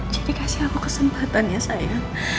jadi kasih aku kesempatan ya sayang